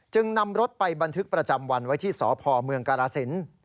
นำรถไปบันทึกประจำวันไว้ที่สพเมืองกรสิน